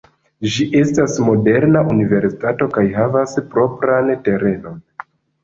Ĝi estas moderna universitato kaj havas propran terenon.